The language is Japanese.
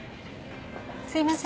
すいません。